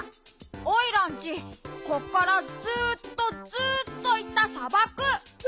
おいらんちこっからずっとずっといったさばく。